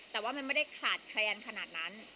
แต่ว่ามันไม่ได้ขาดแคลนขนาดนั้น